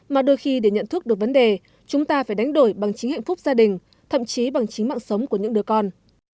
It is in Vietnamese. mà đôi khi để nhận thức được vấn đề chúng ta phải đánh đổi bằng chính hạnh phúc gia đình thậm chí bằng chính mạng sống của những đứa con